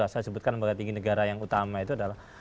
saya sebutkan lembaga tinggi negara yang utama itu adalah